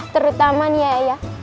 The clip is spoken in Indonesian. terutama nih ayah